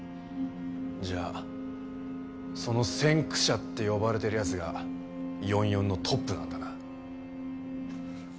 じゃあその先駆者って呼ばれてる奴が４４のトップなんだな？